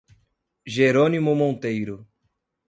Jerônimo Monteiro